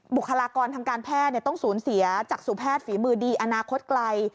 บุคลากรทางการแพทย์ต้องสูญเสียจากสู่แพทย์ฝีมือดีอนาคตไกล